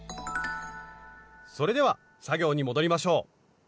それでは作業に戻りましょう。